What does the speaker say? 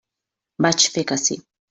Vaig fer que sí.